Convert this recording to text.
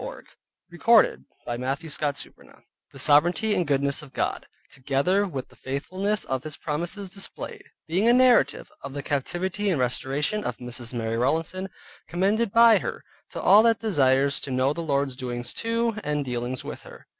MARY ROWLANDSON By Mrs. Mary Rowlandson The sovereignty and goodness of GOD, together with the faithfulness of his promises displayed, being a narrative of the captivity and restoration of Mrs. Mary Rowlandson, commended by her, to all that desires to know the Lord's doings to, and dealings with her.